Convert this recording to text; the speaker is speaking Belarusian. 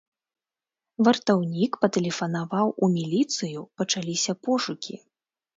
Вартаўнік патэлефанаваў у міліцыю, пачаліся пошукі.